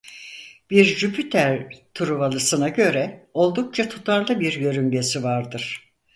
Bir Jüpiter truvalısına göre oldukça tutarlı bir yörüngesi vardır.